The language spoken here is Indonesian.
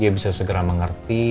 dia bisa segera mengerti